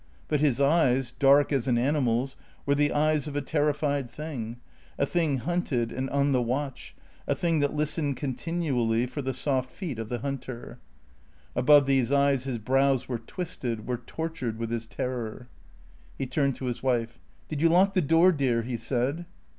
But his eyes, dark like an animal's, were the eyes of a terrified thing, a thing hunted and on the watch, a thing that listened continually for the soft feet of the hunter. Above these eyes his brows were twisted, were tortured with his terror. He turned to his wife. "Did you lock the door, dear?" he said.